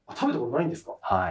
はい。